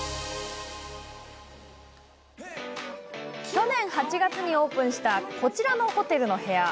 去年８月にオープンしたこちらのホテルの部屋。